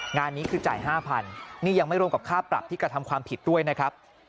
งานนี้คือจ่าย๕๐๐นี่ยังไม่รวมกับค่าปรับที่กระทำความผิดด้วยนะครับ